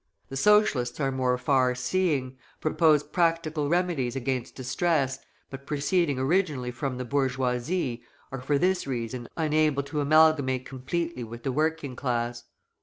The Socialists are more far seeing, propose practical remedies against distress, but, proceeding originally from the bourgeoisie, are for this reason unable to amalgamate completely with the working class.